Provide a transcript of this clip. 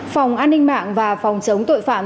phòng an ninh mạng và phòng chống tội phạm